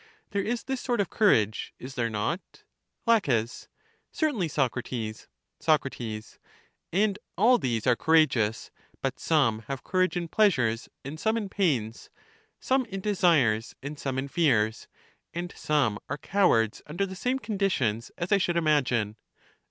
There is this sort of courage, is there not? La, Certainly, Socrates. Soc, And all these are courageous, but some have courage in pleasures, and some in pains ; some in de sires, and some in fears ; and some are cowards under the same conditions, as I should imagine.